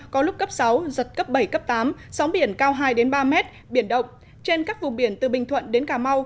có lúc cấp sáu giật cấp bảy cấp tám sóng biển cao hai ba mét biển động trên các vùng biển từ bình thuận đến cà mau